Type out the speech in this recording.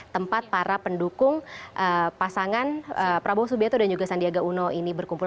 tempat para pendukung pasangan prabowo subianto dan juga sandiaga uno ini berkumpul